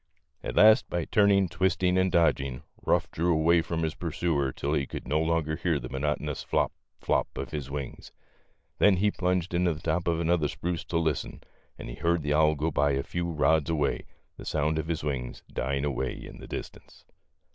At last by turning, twisting, and dodging, Ruff drew away from his pursuer till he could no longer hear the monotonous flop, flop of his wings. Then he plunged into the top of an other spruce to listen, and he heard the owl go by a few rods away, the sound of his wings dying away in the distance.